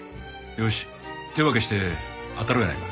よし手分けしてあたろうやないか。